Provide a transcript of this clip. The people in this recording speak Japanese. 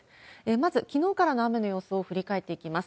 まず、きのうからの雨の様子を振り返っていきます。